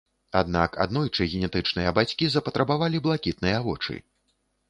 Аднак аднойчы генетычныя бацькі запатрабавалі блакітныя вочы.